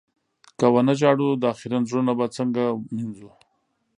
که و نه ژاړو، دا خيرن زړونه به څنګه مينځو؟